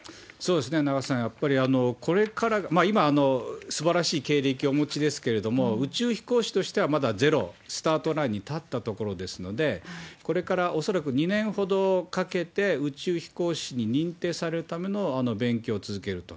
やっぱりこれから、今、すばらしい経歴をお持ちですけれども、宇宙飛行士としてはまだゼロ、スタートラインに立ったところですので、これから、恐らく２年ほどかけて宇宙飛行士に認定されるための勉強を続けると。